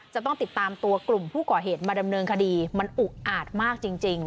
จะต้องติดตามตัวกลุ่มผู้ก่อเหตุมาดำเนินคดีมันอุกอาจมากจริง